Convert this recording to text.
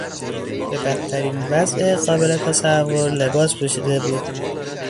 به بدترین وضع قابل تصور لباس پوشیده بود.